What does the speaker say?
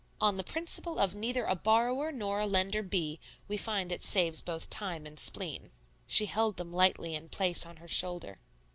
"On the principle of 'neither a borrower nor a lender be;' we find it saves both time and spleen." She held them lightly in place on her shoulder.